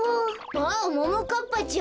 あっももかっぱちゃん。